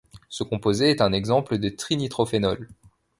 Ce composé est un exemple de trinitrophénol.